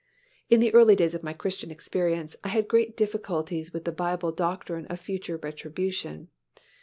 In the early days of my Christian experience, I had great difficulties with the Bible doctrine of future retribution.